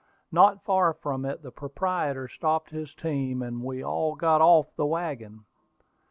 Not far from it the proprietor stopped his team, and we all got off the wagon.